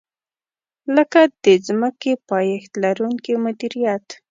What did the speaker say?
لکه د ځمکې پایښت لرونکې مدیریت.